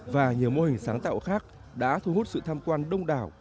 và nhiều mô hình sáng tạo khác đã thu hút sự tham quan đông đảo